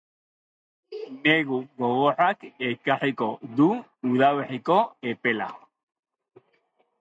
Negu gogorrak ekarriko du udaberriko epela.